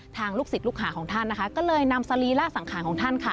ลูกศิษย์ลูกหาของท่านนะคะก็เลยนำสรีระสังขารของท่านค่ะ